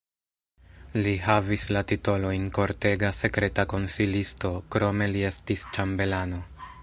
Li havis la titolojn kortega sekreta konsilisto, krome li estis ĉambelano.